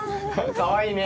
かわいいね。